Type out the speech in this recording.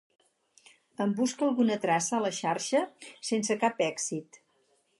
En busca alguna traça a la xarxa, sense cap èxit.